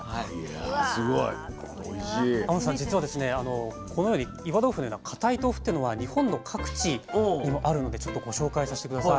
天野さん実はこのように岩豆腐のような固い豆腐っていうのは日本の各地にもあるのでちょっとご紹介させて下さい。